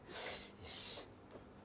よし。